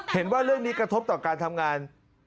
เห็นว่าเรื่องนี้กระทบต่อการทำงาน